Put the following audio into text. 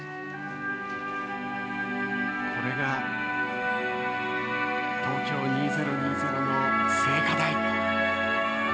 これが東京２０２０の聖火台。